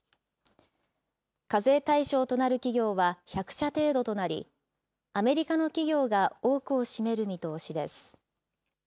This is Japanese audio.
課税対象となる企業は１００社程度となり、アメリカの企業が多くを占める見通しです。